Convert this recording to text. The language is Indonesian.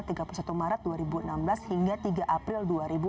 dari tanggal tiga puluh satu maret dua ribu enam belas hingga tiga april dua ribu enam belas